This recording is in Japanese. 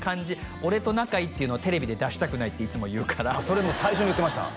俺と仲いいっていうのをテレビで出したくないっていつも言うからそれ最初に言ってました